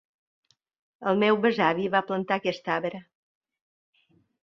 El meu besavi va plantar aquest arbre.